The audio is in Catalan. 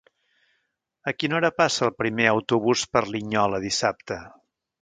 A quina hora passa el primer autobús per Linyola dissabte?